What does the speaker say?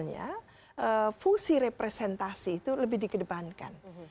misalnya fungsi representasi itu lebih dikedepankan